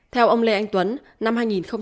theo ông lê anh tuấn năm hai nghìn hai mươi hai